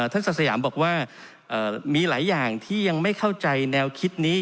ศักดิ์สยามบอกว่ามีหลายอย่างที่ยังไม่เข้าใจแนวคิดนี้